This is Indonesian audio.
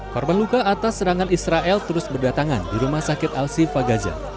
perpengluka atas serangan israel terus berdatangan di rumah sakit al sifah gaza